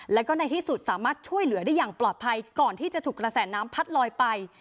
แล้วก็ในที่สุดสามารถช่วยเหลือได้อย่างปลอดภัยก่อนที่จะถูกกระแสน้ำพัดลอยไป